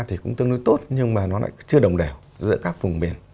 thì cũng tương đối tốt nhưng mà nó lại chưa đồng đều giữa các vùng biển